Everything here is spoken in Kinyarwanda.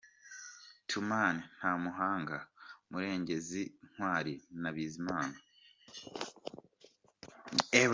Tumaine Ntamuhanga, Murengezi ,Ntwari na Bizimana.